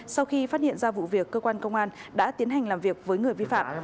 sau khi phát hiện ra vụ việc cơ quan công an đã tiến hành làm việc với người vi phạm